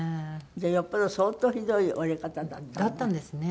じゃあよっぽど相当ひどい折れ方だったのね。